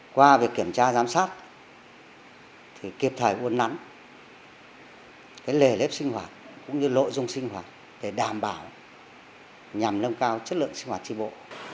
qua việc kiểm tra giám sát thì kiệp thải buôn nắn lề lếp sinh hoạt cũng như nội dung sinh hoạt để đảm bảo nhằm nâng cao chất lượng sinh hoạt tri bộ